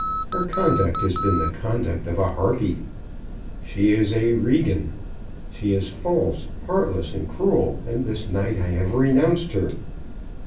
Her conduct has been the conduct of a Harpy. She is a Regan. She is false, heartless, and cruel; and this night I have renounced her."